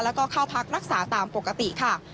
แล้วก็เข้าพักรักษาตามปกติค่ะ